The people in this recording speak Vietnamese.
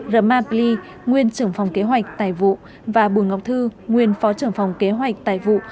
r ma plei nguyên trưởng phòng kế hoạch tài vụ và bùi ngọc thư nguyên phó trưởng phòng kế hoạch tài vụ